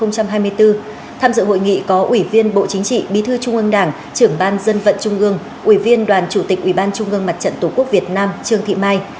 tham dự hội nghị có ủy viên bộ chính trị bí thư trung ương đảng trưởng ban dân vận trung ương ủy viên đoàn chủ tịch ủy ban trung ương mặt trận tổ quốc việt nam trương thị mai